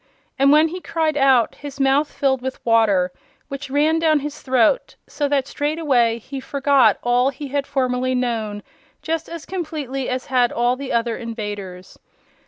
And when he cried out, his mouth filled with water, which ran down his throat, so that straightway he forgot all he had formerly known just as completely as had all the other invaders.